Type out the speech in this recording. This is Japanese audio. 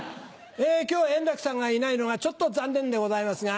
今日円楽さんがいないのがちょっと残念でございますが。